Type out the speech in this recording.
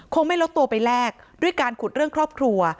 ไม่ลดตัวไปแลกด้วยการขุดเรื่องครอบครัว